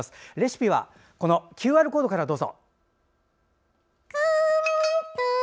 レシピはＱＲコードからどうぞ。